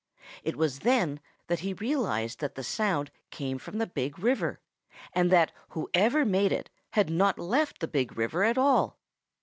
It was then that he realized that that sound came from the Big River, and that whoever made it had not left the Big River at all.